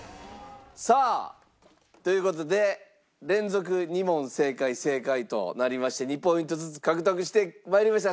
さあという事で連続２問正解正解となりまして２ポイントずつ獲得してまいりました。